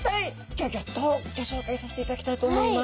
ギョギョッとギョ紹介させていただきたいと思います。